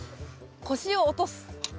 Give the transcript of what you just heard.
腰を落とす。